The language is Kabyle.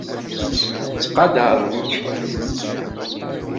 Ttqadarent-k.